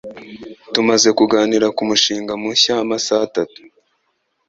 Tumaze kuganira ku mushinga mushya amasaha atatu